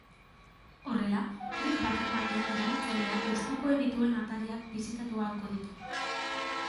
Horrela, klik bakar batean erabiltzaileak gustukoen dituen atariak bisitatu ahalko ditu.